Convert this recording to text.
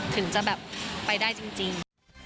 ถึงจะไปได้จริง